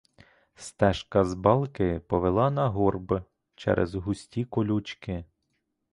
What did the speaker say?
Стежка з балки повела на горб через густі колючки.